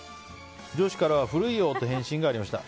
上司からは古いよと返信がありました。